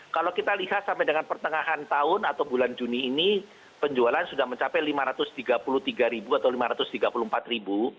kalau kita lihat sampai dengan pertengahan tahun atau bulan juni ini penjualan sudah mencapai lima ratus tiga puluh tiga ribu atau lima ratus tiga puluh empat ribu